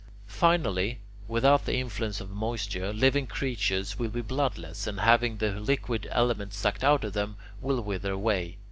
Finally, without the influence of moisture, living creatures will be bloodless and, having the liquid element sucked out of them, will wither away.